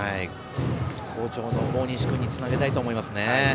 好調の大西君につなげたいと思いますね。